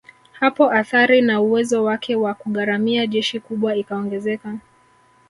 Hapo athari na uwezo wake wa kugharamia jeshi kubwa ikaongezeka